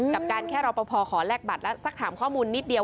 กับการแค่รอปภขอแลกบัตรแล้วสักถามข้อมูลนิดเดียว